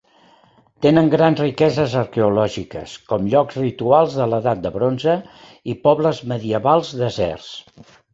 Tenen grans riqueses arqueològiques, com llocs rituals de l'Edat de Bronze i pobles medievals deserts.